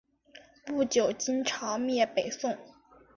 不久金朝灭北宋。